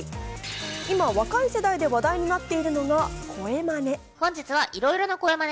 今、若い世代で話題になってるのが声まね。